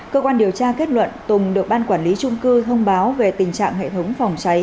cơ quan điều tra kết luận tùng được ban quản lý trung cư thông báo về tình trạng hệ thống phòng cháy